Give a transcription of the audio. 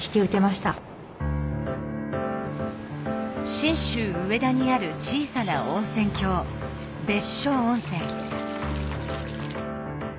信州上田にある小さな温泉郷別所温泉。